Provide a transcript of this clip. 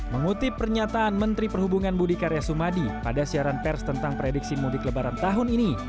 mengutip pernyataan menteri perhubungan budi karya sumadi pada siaran pers tentang prediksi mudik lebaran tahun ini